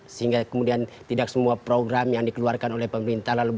sehingga kemudian tidak semua orang yang mencari politik itu